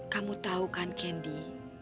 kamu tahu kan kandi